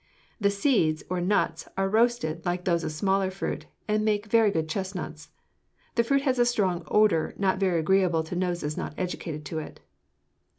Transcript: The seeds, or nuts, are roasted, like those of smaller fruit, and make very good chestnuts. The fruit has a strong odor not very agreeable to noses not educated to it."